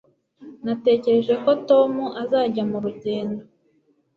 Natekereje ko Tom azajya murugendo